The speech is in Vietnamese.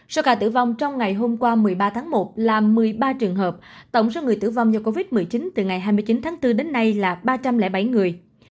số ca tử vong trong ngày hôm qua một mươi ba tháng một là một mươi ba trường hợp tổng số người tử vong do covid một mươi chín từ ngày hai mươi chín tháng bốn đến nay là ba trăm linh bảy người